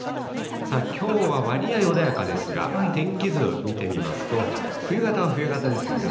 きょうは割合穏やかですが、天気図見てみますと、冬型は冬型ですよね。